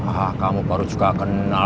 ah kamu baru juga kenal